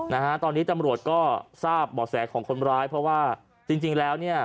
นะฮะตอนนี้ตำรวจก็ทราบบ่อแสของคนร้ายเพราะว่าจริงจริงแล้วเนี่ย